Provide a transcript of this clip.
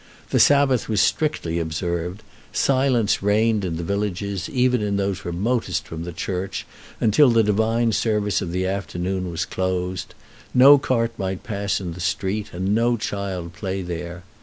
The Sabbath was strictly observed; silence reigned in the villages, even those remotest from the church, until the divine service of the afternoon was closed; no cart might pass in the street, and no child play there....